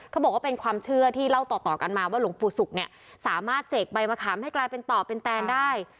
เขาบอกว่าเป็นความเชื่อที่เล่าต่อกันมาว่าหลวงปู่ศุกร์เนี่ยสามารถเสกใบมะขามให้กลายเป็นต่อเป็นแตนได้